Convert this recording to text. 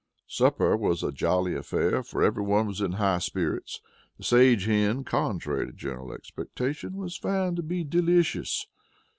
Supper was a jolly affair, for everyone was in high spirits. The sage hen, contrary to general expectation, was found to be delicious.